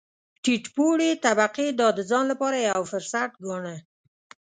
ټیټ پوړې طبقې دا د ځان لپاره یو فرصت ګاڼه.